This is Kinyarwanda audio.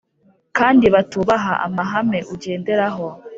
kandi batubaha amahame ugenderaho